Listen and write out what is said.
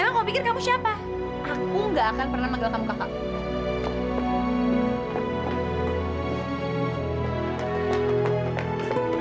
sekarang kau pikir kamu siapa aku gak akan pernah manggil kamu kakakku